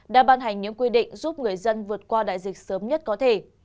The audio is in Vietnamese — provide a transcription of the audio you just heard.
hành những quy định giúp người dân vượt qua đại dịch sớm nhất có thể